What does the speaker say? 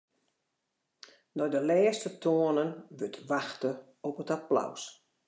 Nei de lêste toanen wurdt wachte op it applaus.